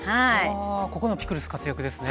ここでもピクルス活躍ですね。